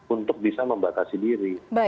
untuk bisa membatasi diri